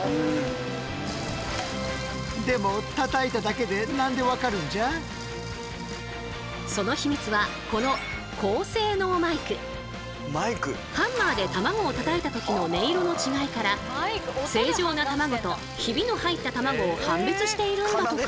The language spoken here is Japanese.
ここでは実際そのヒミツはこのハンマーでたまごをたたいた時の音色の違いから正常なたまごとヒビの入ったたまごを判別しているんだとか。